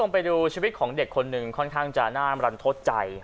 ไปดูชีวิตของเด็กคนหนึ่งค่อนข้างจะน่ารันทดใจ